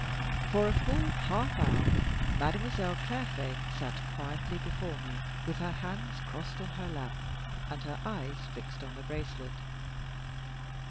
For a full half hour, Mademoiselle Clairfait sat quietly before me, with her hands crossed on her lap, and her eyes fixed on the bracelet.